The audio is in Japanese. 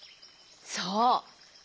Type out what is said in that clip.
そう。